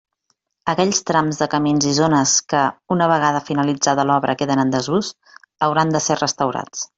Aquells trams de camins i zones que una vegada finalitzada l'obra queden en desús, hauran de ser restaurats.